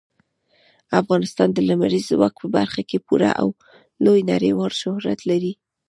افغانستان د لمریز ځواک په برخه کې پوره او لوی نړیوال شهرت لري.